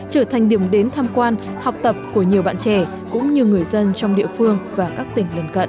trở thành điểm đến tham quan học tập của nhiều bạn trẻ cũng như người dân trong địa phương và các tỉnh lần cận